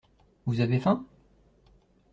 Vous avez faim?